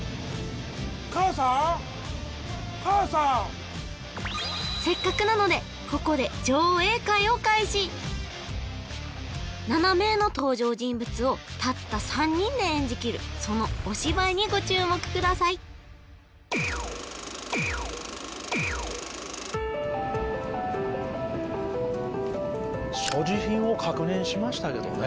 母さん母さんせっかくなのでここで７名の登場人物をたった３人で演じ切るそのお芝居にご注目ください所持品を確認しましたけどね